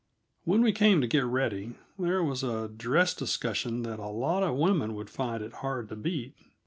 When we came to get ready, there was a dress discussion that a lot of women would find it hard to beat.